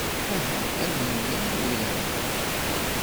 Aha ad nurar urar-a.